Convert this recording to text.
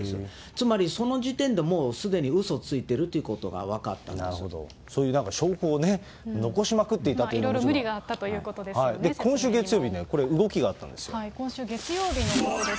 つまりその時点で、すでにうそついてるということが分かったんでそういう証拠をね、残しまくいろいろ無理があったという今週月曜日にこれ、動きがあ今週月曜日のことです。